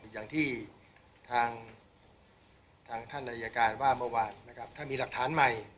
อย่างที่ท่านโดยบิน